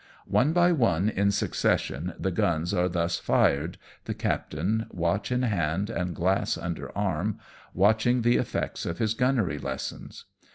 One by one in succession the guns are thus fired, the captain, watch in hand and glass under arm, watching the effects of his gunnery lessons.